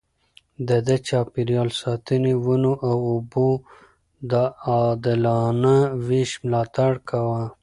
ده د چاپېريال ساتنې، ونو او اوبو د عادلانه وېش ملاتړ کاوه.